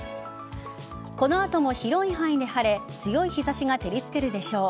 この後も広い範囲で晴れ強い日差しが照りつけるでしょう。